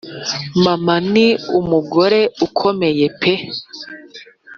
Mama ni umugore ukomeye pe